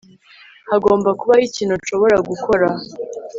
hagomba kubaho ikintu nshobora gukora